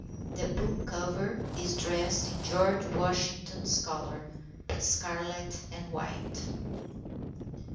The book cover is dressed in George Washington's colours, scarlet and white.